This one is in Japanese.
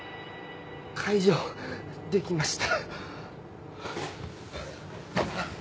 解除できました。